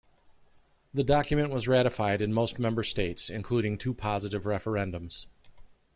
The document was ratified in most member states, including two positive referendums.